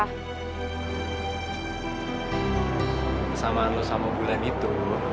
persamaan lo sama bulan itu